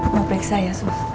mau preksa ya sus